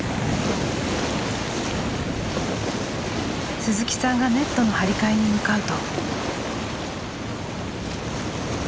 鈴木さんがネットの張り替えに向かうと。